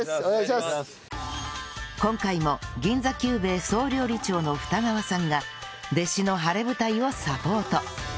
今回も銀座久兵衛総料理長の二川さんが弟子の晴れ舞台をサポート